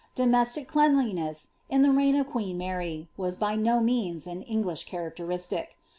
Domestic cleanliness, in the reign of queen Mary, was by no means an English characteristic.